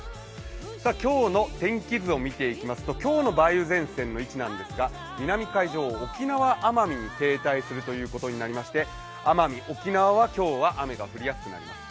今日の天気図を見ていきますと今日の梅雨前線の位置ですが南海上、沖縄、奄美に停滞するということになりまして奄美、沖縄は今日は雨が降りやすくなります。